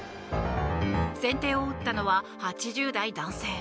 先手を打ったのは８０代男性。